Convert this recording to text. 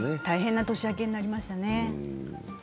大変な年明けになりましたね。